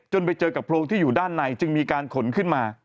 ไปเจอกับโพรงที่อยู่ด้านในจึงมีการขนขึ้นมา